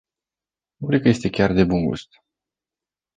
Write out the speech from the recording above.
Nu cred că este chiar de bun-gust.